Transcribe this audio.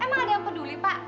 emang ada yang peduli pak